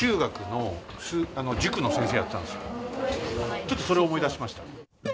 ちょっとそれを思い出しました。